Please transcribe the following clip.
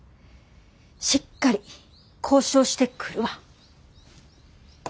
しっかり交渉してくるわ。